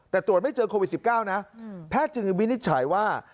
แต่ตรวจไม่เจอโควิด๑๙นะแพทย์จึงวินิจฉัยว่า